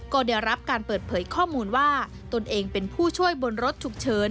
ก็ได้รับการเปิดเผยข้อมูลว่าตนเองเป็นผู้ช่วยบนรถฉุกเฉิน